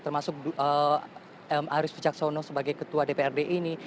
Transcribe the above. termasuk arief wicaksono sebagai ketua dprd ini